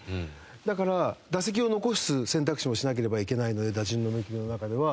だから打席を残す選択肢もしなければいけないので打順の巡りの中では。